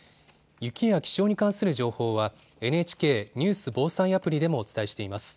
雪や気象に関する情報はＮＨＫニュース・防災アプリでもお伝えしています。